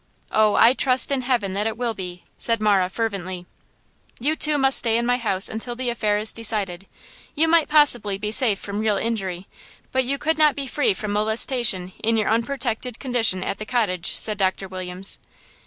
"Oh, I trust in heaven that it will be," said Marah, fervently. "You two must stay in my house until the affair is decided. You might possibly be safe from real injury; but you could not be free from molestation in your unprotected condition at the cottage," said Doctor Williams.